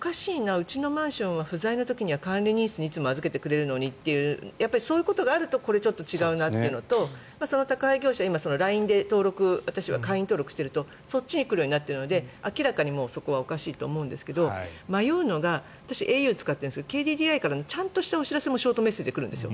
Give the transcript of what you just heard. うちのマンションは不在の時には管理人室にいつも預けてくれるのにってそういうことがあるとこれはちょっと違うなというのとその宅配業者は今、ＬＩＮＥで会員登録をしているとそっちに来るようになっているので明らかにそこはおかしいと思うんですけど迷うのが私、ａｕ使っているんですけどＫＤＤＩからのちゃんとしたお知らせもショートメッセージで来るんです。